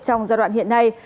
trong giai đoạn hiện nay